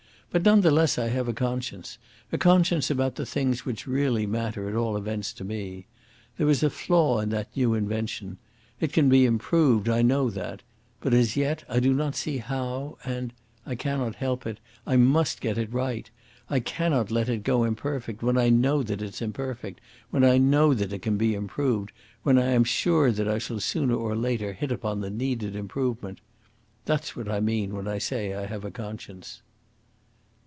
But none the less I have a conscience a conscience about the things which really matter, at all events to me. There is a flaw in that new invention. It can be improved; I know that. But as yet I do not see how, and I cannot help it I must get it right; I cannot let it go imperfect when I know that it's imperfect, when I know that it can be improved, when I am sure that I shall sooner or later hit upon the needed improvement. That is what I mean when I say I have a conscience."